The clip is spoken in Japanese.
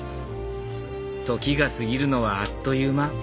時が過ぎるのはあっという間。